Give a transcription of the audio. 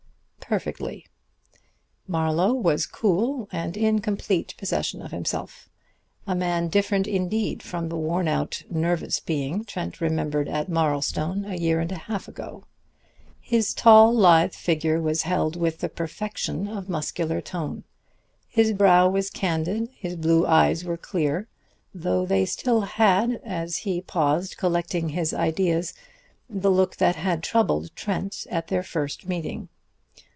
"Perfectly." Marlowe was cool and in complete possession of himself, a man different indeed from the worn out, nervous being Trent remembered at Marlstone a year and a half ago. His tall, lithe figure was held with the perfection of muscular tone. His brow was candid, his blue eyes were clear, though they still had, as he paused collecting his ideas, the look that had troubled Trent at their first meeting.